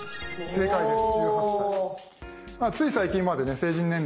正解です。